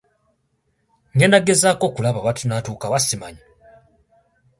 Nnondamu ebinnyamba ebirala ne ndeka.